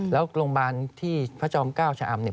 แล้วโรงพยาบาลที่พระจอมเก้าชะอำเนี่ย